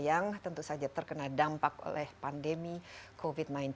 yang tentu saja terkena dampak oleh pandemi covid sembilan belas